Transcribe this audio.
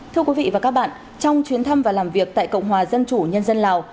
thưa quý vị và các bạn trong chuyến thăm và làm việc tại cộng hòa dân chủ nhân dân lào